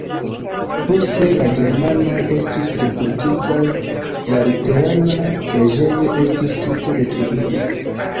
Poste la germanoj estis deportitaj, la luterana preĝejo estis tute detruita.